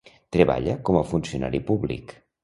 Treballà com a funcionari públic.